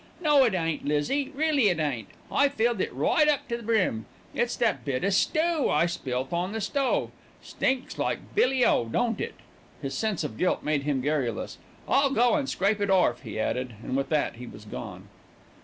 "No, it ain't, Lizzie, reelly it ain't. I filled it right up to the brim. It's that bit o' stoo I spilt on the stove. Stinks like billy o, don't it?" His sense of guilt made him garrulous. "I'll go an' scrape it orf," he added, and with that he was gone.